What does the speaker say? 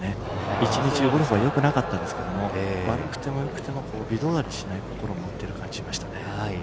一日ゴルフは良くなかったんですが、悪くても良くても微動だにしない心をもっている感じがしましたね。